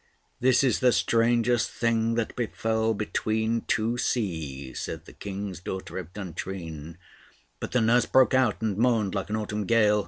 "This is the strangest thing that befell between two seas," said the King's daughter of Duntrine. But the nurse broke out and moaned like an autumn gale.